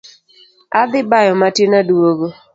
Adhi bayo matin aduogo